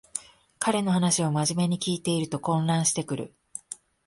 彼の話をまじめに聞いてると混乱してくる